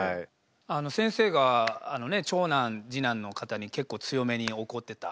先生が長男次男の方に結構強めに怒ってた。